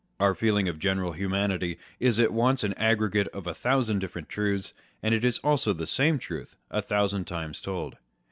Our feeling of general humanity is at once an aggregate of a thousand different truths, and it is also the same truth a thousand times told.